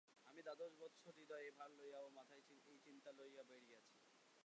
আমি দ্বাদশ বৎসর হৃদয়ে এই ভার লইয়া ও মাথায় এই চিন্তা লইয়া বেড়াইয়াছি।